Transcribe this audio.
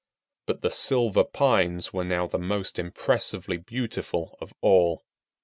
But the Silver Pines were now the most impressively beautiful of all.